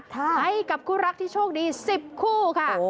ให้กับคู่รักที่โชคดี๑๐คู่ค่ะ